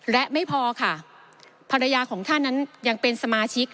และไม่พอค่ะภรรยาของท่านนั้นยังเป็นสมาชิก